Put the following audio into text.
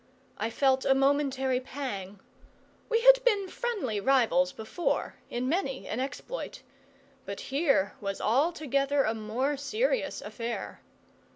I felt a momentary pang. We had been friendly rivals before, in many an exploit; but here was altogether a more serious affair.